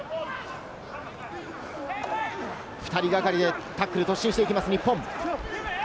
２人がかりでタックル、突進していきます、日本。